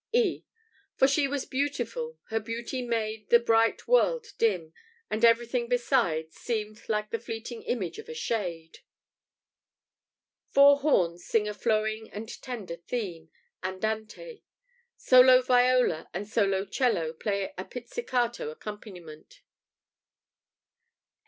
] (E) "For she was beautiful: her beauty made The bright world dim, and everything beside Seemed like the fleeting image of a shade": [Four horns sing a flowing and tender theme, andante; solo viola and solo 'cello play a pizzicato accompaniment.